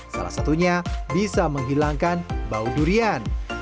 salah satunya bisa menghilangkan bau durian